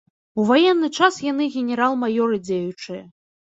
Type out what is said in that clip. У ваенны час яны генерал-маёры дзеючыя.